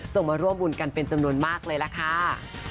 มาร่วมบุญกันเป็นจำนวนมากเลยล่ะค่ะ